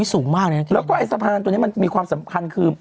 สูงมากเลยนะแล้วก็ไอ้สะพานตัวนี้มันมีความสำคัญคือ